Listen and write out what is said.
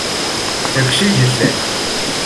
εξήγησε.